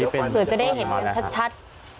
เผื่อจะได้เห็นกันชัด